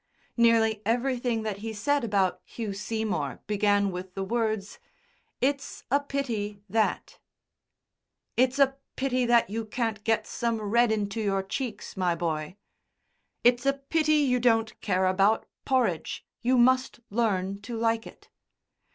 Nearly everything that he said about Hugh Seymour began with the words "It's a pity that " "It's a pity that you can't get some red into your cheeks, my boy." "It's a pity you don't care about porridge. You must learn to like it."